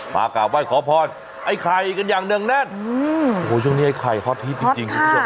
มากราบไหว้ขอพอดไอ้ไข่กันอย่างหนึ่งแน่นอืมโอ้ยช่วงนี้ไอ้ไข่ฮอตฮีตจริงจริง